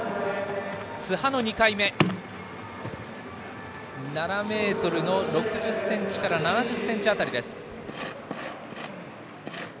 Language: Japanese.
津波の２回目は７ｍ６０から７０ｃｍ辺り。